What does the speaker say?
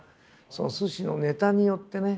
その寿司のネタによってね。